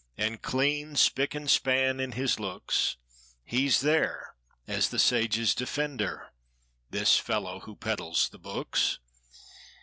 And clean, spick and span in his looks; He's there, as the sage's defender— This fellow who peddles the books.